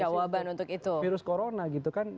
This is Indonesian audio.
jawaban untuk itu virus corona gitu kan